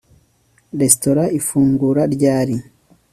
Restaurant ifungura ryari